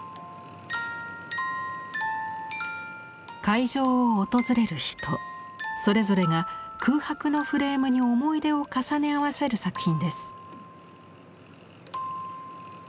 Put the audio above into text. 会場を訪れる人それぞれが空白のフレームに思い出を重ね合わせる作品です。